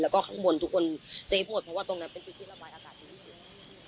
แล้วก็ข้างบนทุกคนเซหมดเพราะว่าตรงนั้นเป็นจุดที่ระบายอากาศดีที่สุด